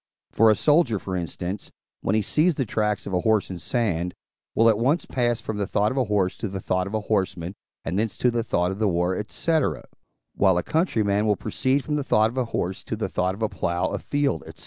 For a soldier, for instance, when he sees the tracks of a horse in sand, will at once pass from the thought of a horse to the thought of a horseman, and thence to the thought of war, &c. while a countryman will proceed from the thought of a horse to the thought of a plough, a field, &c.